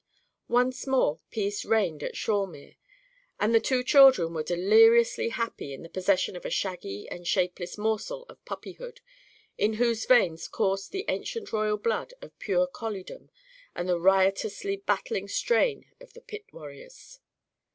Once more, peace reigned at Shawemere. And the two children were deliriously happy in the possession of a shaggy and shapeless morsel of puppyhood, in whose veins coursed the ancient royal blood of pure colliedom and the riotously battling strain of the pit warriors.